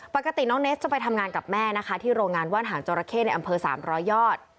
ปกติน้องเนสจะไปทำงานกับแม่นะคะที่โรงงานว่านหางจราเข้ในอำเภอ๓๐๐ยอด